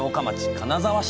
金沢市。